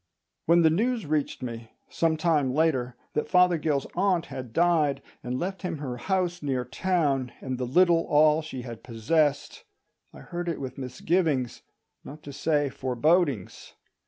When the news reached me, some time later, that Fothergill's aunt had died and left him her house near town and the little all she had possessed, I heard it with misgivings, not to say forebodings.